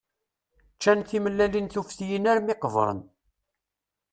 Ččan timellalin tuftiyin armi qebren.